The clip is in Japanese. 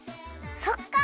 そっか！